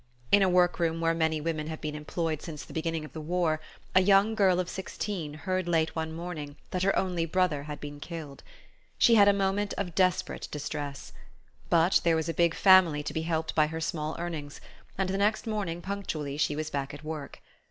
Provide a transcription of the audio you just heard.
In a work room where many women have been employed since the beginning of the war, a young girl of sixteen heard late one afternoon that her only brother had been killed. She had a moment of desperate distress; but there was a big family to be helped by her small earnings, and the next morning punctually she was back at work.